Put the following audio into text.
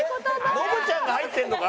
ノブちゃんが入ってるのか？